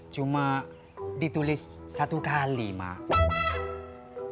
cuma ditulis satu kali mah